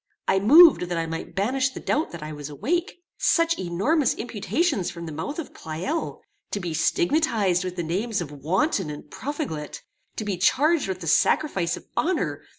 I moved that I might banish the doubt that I was awake. Such enormous imputations from the mouth of Pleyel! To be stigmatized with the names of wanton and profligate! To be charged with the sacrifice of honor!